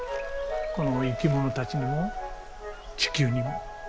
この生き物たちにも地球にも。